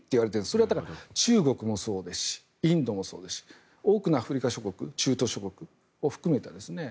それは中国もそうですしインドもそうですし多くのアフリカ諸国中東諸国を含めてですね。